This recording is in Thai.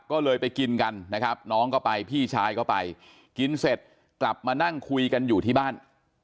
ก็เลยไปกินกันนะครับน้องก็ไปพี่ชายก็ไปกินเสร็จกลับมานั่งคุยกันอยู่ที่บ้าน